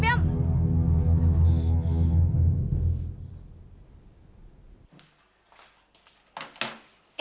kita pergi dulu ya